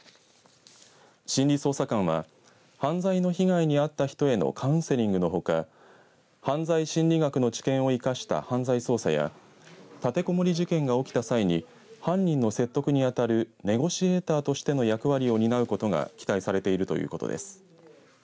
心理捜査官は犯罪の被害に遭った人へのカウンセリングのほか犯罪心理学の知見を生かした犯罪捜査や立てこもり事件が起きた際に犯人の説得に当たるネゴシエーターとしての役割を担うことが期待されているということです。